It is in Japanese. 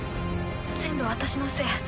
全部私のせい。